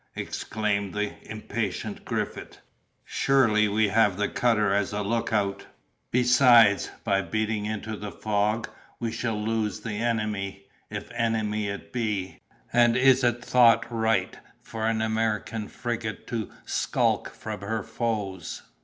exclaimed the impatient Griffith. "Surely we have the cutter as a lookout! besides, by beating into the fog, we shall lose the enemy, if enemy it be, and is it thought meet for an American frigate to skulk from her foes?"